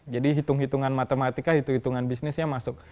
jadi hitung hitungan matematika hitung hitungan bisnisnya masuk